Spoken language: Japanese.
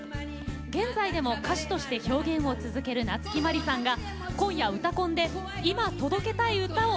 現在でも歌手として表現を続ける夏木マリさんが今夜「うたコン」で今届けたい歌を披露します。